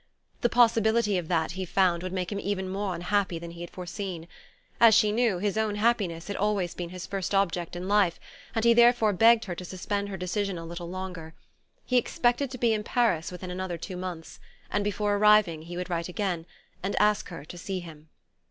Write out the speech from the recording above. The possibility of that, he found, would make him even more unhappy than he had foreseen; as she knew, his own happiness had always been his first object in life, and he therefore begged her to suspend her decision a little longer. He expected to be in Paris within another two months, and before arriving he would write again, and ask her to see him.